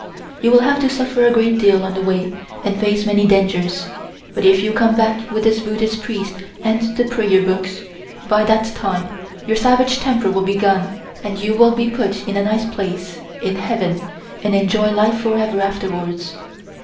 You will have to suffer a great deal on the way and face many dangers, but if you come back with this Buddhist Priest and the prayer books, by that time your savage temper will be gone and you will be put in a nice place in heaven and enjoy life forever afterwards."